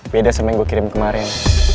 beda sama yang gue kirim kemarin